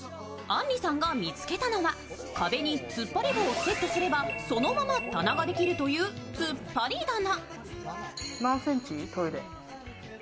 あんりさんが見つけたのは壁に突っ張り棒をセットすればそのまま棚ができるという突っ張り棚。